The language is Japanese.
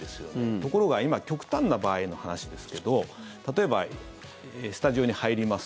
ところが今極端な場合の話ですけど例えばスタジオに入ります。